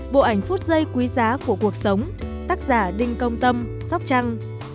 bộ ảnh phút giây quý giá của cuộc sống tác giả đinh công tâm sóc trăng